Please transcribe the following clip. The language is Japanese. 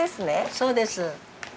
そうです。